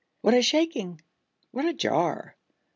what a shaking! What a jar!